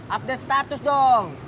update status dong